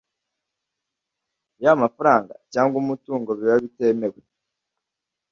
y amafaranga cyangwa umutungo biba bitemewe